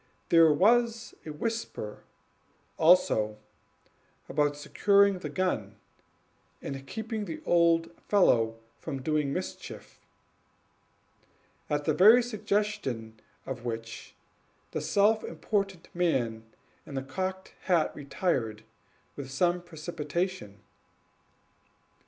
There was a whisper, also, about securing the gun, and keeping the old fellow from doing mischief, at the very suggestion of which the self important man in the cocked hat retired with some precipitation.